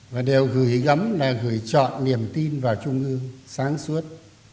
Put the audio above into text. và đều gửi gấm gửi chọn niềm tin vào trung ương sáng suốt